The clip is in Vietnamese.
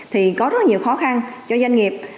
thì có rất nhiều khó khăn cho doanh nghiệp